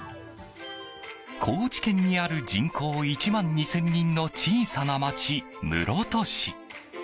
高知県にある人口１万２０００人の小さな町室戸市。